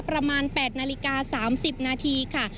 ประมาณ๘นาฬิกา๓๐นาทีค่ะ